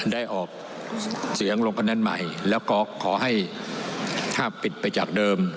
ได้ออกเสียงลงคะแนนใหม่แล้วก็ขอให้ถ้าปิดไปจากเดิม